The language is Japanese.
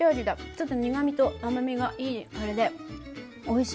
ちょっと苦みと甘みがいいあれでおいしい。